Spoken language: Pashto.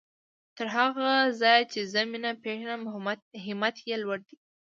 تر هغه ځايه چې زه مينه پېژنم همت يې لوړ دی.